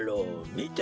みて？